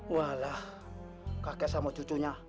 walah kakek sama cucunya